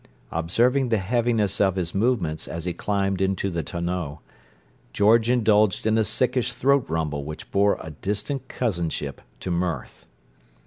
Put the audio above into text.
Observing the heaviness of his movements as he climbed into the tonneau, George indulged in a sickish throat rumble which bore a distant cousinship to mirth.